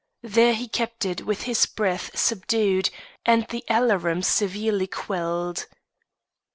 There he kept it with his breath subdued, and the alarum severely quelled.